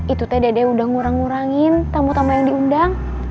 itu teh dede udah ngurang ngurangin tamu tamu yang diundang